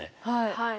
はい。